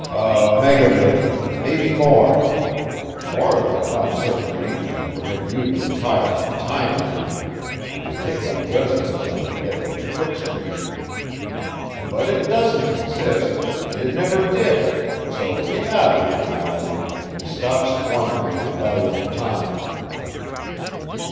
"A megamillion maybe more. More than enough, certainly, to permit you to retire from time lifting and to take up residence on Get Rich Quick Street. But it doesn't exist, and it never did, so get out of here, Mallory, and stop squandering my valuable time."